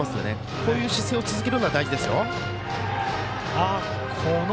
こういう姿勢を続けるのが大事ですよ。